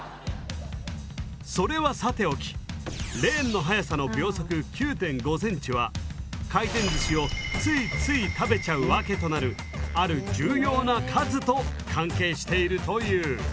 それはさておきレーンの速さの秒速９．５ｃｍは回転ずしをついつい食べちゃうワケとなるある重要な数と関係しているという。